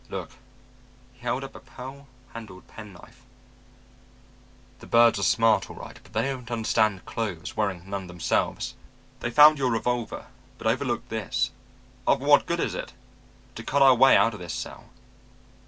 Look." He held up a pearl handled pen knife. "The birds are smart, all right, but they don't quite understand clothes, wearing none themselves. They found your revolver, but overlooked this." "Of what good is it?" "To cut our way out of this cell."